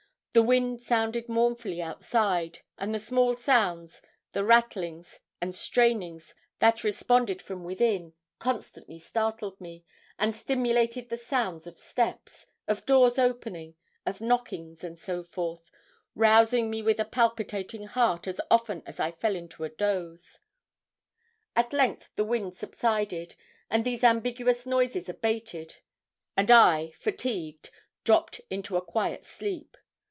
The wind sounded mournfully outside, and the small sounds, the rattlings, and strainings that responded from within, constantly startled me, and simulated the sounds of steps, of doors opening, of knockings, and so forth, rousing me with a palpitating heart as often as I fell into a doze. At length the wind subsided, and these ambiguous noises abated, and I, fatigued, dropped into a quiet sleep.